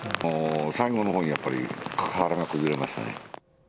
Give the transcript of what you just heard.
最後のほうにやっぱり、瓦が崩れましたね。